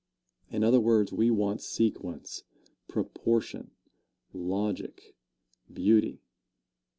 In other words, we want sequence, proportion, logic, beauty.